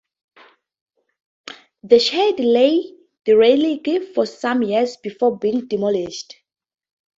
The shed lay derelict for some years before being demolished.